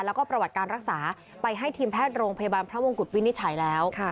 แล้วก็ประวัติการรักษาไปให้ทีมแพทย์โรงพยาบาลพระมงกุฎวินิจฉัยแล้ว